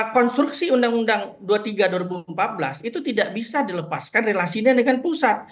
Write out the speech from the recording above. konstruksi undang undang dua puluh tiga dua ribu empat belas itu tidak bisa dilepaskan relasinya dengan pusat